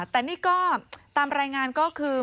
แต่นี่ก็ตามรายงานก็คือ